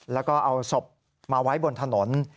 แล้วก็เอาศพมาไว้บนถนน